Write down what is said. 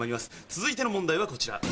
続いての問題はこちら。